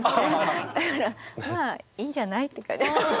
だからまあいいんじゃない？とか。